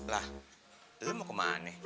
lah lo mau ke mana